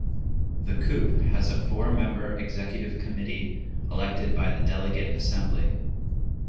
The Coupe has a four-member Executive Committee elected by the Delegate Assembly.